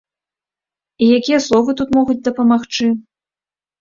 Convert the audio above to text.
І якія словы тут могуць дапамагчы?